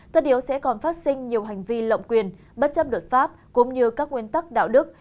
tất yếu sẽ còn phát sinh nhiều hành vi lộng quyền bất chấp luật pháp cũng như các nguyên tắc đạo đức